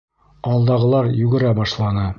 Алдағылар йүгерә башланы.